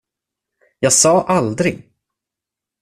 Jag sa aldrig!